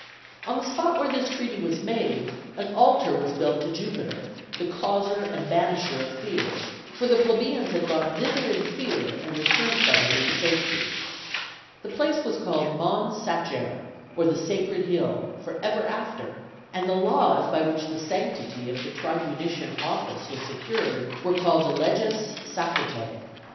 On the spot where this treaty was made, an altar was built to Jupiter, the causer and banisher of fear, for the plebeians had gone thither in fear and returned from it in safety. The place was called Mons Sacer, or the Sacred Hill, forever after, and the laws by which the sanctity of the tribunitian office was secured were called the Leges Sacratæ.